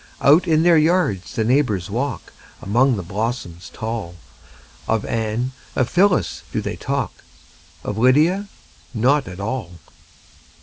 Out in their yards the neighbors walk, Among the blossoms tall; Of Anne, of Phyllis, do they talk, Of Lydia not at all.